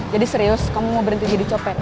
jadi serius kamu mau berhenti jadi copet